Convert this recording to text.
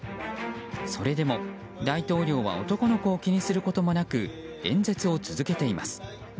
それでも大統領は男の子を気にすることもなく演説を続けています。